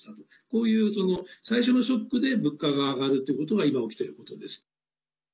こういう最初のショックで物価が上がるということが今、起きていることです。